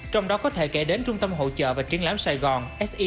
trong đó có thể kể đến trung tâm hỗ trợ và triển lãm sài gòn